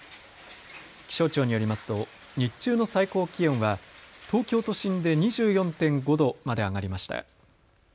気象庁によりますと日中の最高気温は東京都心で２４．５度まで上がりました。